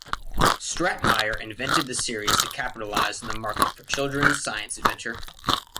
Stratemeyer invented the series to capitalize on the market for children's science adventure.